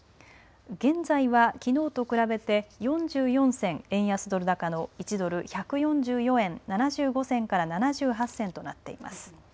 現在はきのうと比べて４４銭円安ドル高の１ドル１４４円７５銭から７８銭となっています。